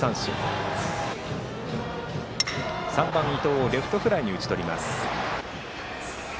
そして３番、伊藤をレフトフライに打ち取ります。